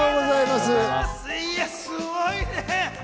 すごいね！